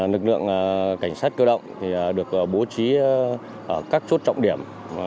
lực lượng cảnh sát cơ động được bố trí ở các chốt trọng điểm